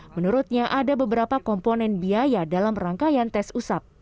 menurutnya ada beberapa komponen biaya dalam rangkaian tes usap